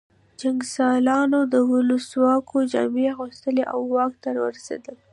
جنګسالارانو د ولسواکۍ جامې واغوستې او واک ته ورسېدل